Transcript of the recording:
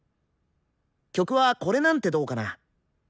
曲はこれなんてどうかな？